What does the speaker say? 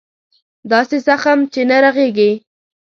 داسې زخم چې نه رغېږي.